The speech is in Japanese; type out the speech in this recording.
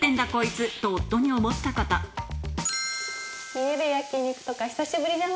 家で焼き肉とか久しぶりじゃない？